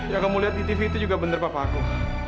yang kamu liat di tv itu juga bener papaku